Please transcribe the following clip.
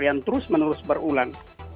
yang terus menerus berulan